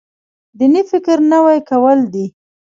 دیني فکر نوی کول دی.